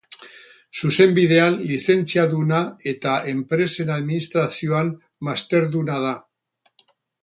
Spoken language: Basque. Zuzenbidean lizentziaduna eta Enpresen Administrazioan masterduna da.